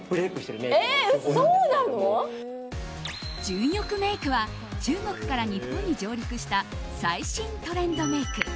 純欲メイクは中国から日本に上陸した最新トレンドメイク。